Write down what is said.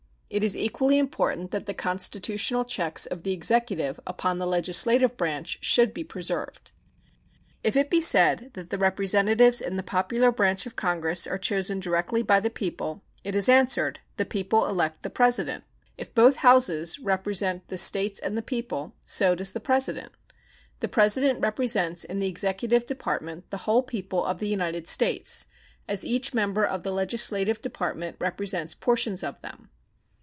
It is equally important that the constitutional checks of the Executive upon the legislative branch should be preserved. If it be said that the Representatives in the popular branch of Congress are chosen directly by the people, it is answered, the people elect the President. If both Houses represent the States and the people, so does the President. The President represents in the executive department the whole people of the United States, as each member of the legislative department represents portions of them.